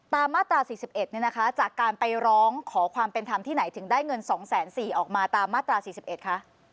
มาตรา๔๑จากการไปร้องขอความเป็นธรรมที่ไหนถึงได้เงิน๒๔๐๐ออกมาตามมาตรา๔๑คะ